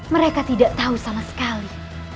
mereka tidak tahu sama sekali